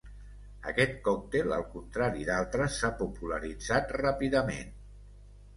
Aquest còctel, al contrari d'altres, s'ha popularitzat ràpidament.